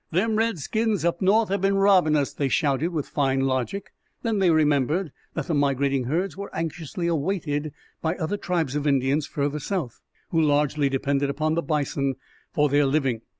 "Them redskins up north have been robbing us!" they shouted, with fine logic. Then they remembered that the migrating herds were anxiously awaited by other tribes of Indians further south, who largely depended upon the bison for their living.